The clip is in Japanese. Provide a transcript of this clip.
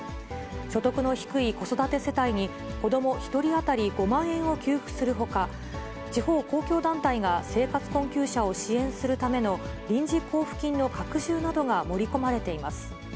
所得の低い子育て世帯に子ども１人当たり５万円を給付するほか、地方公共団体が生活困窮者を支援するための臨時交付金の拡充などが盛り込まれています。